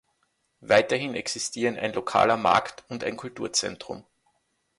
Weiterhin existieren ein lokaler Markt und ein Kulturzentrum.